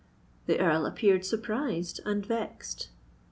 The Earl appeared surprised and vexed.